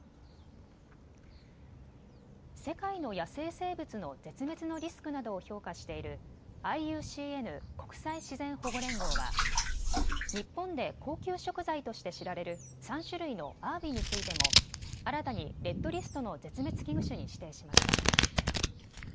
世界の野生生物の絶滅のリスクなどを評価しているＩＵＣＮ・国際自然保護連合は日本で高級食材として知られる３種類のアワビについても新たにレッドリストの絶滅危惧種に指定しました。